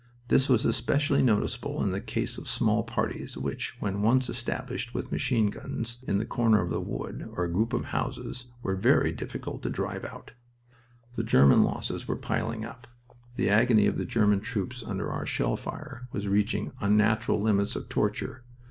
This was especially noticeable in the case of small parties, which, when once established with machine guns in the corner of a wood or a group of houses, were very difficult to drive out." The German losses were piling up. The agony of the German troops under our shell fire was reaching unnatural limits of torture.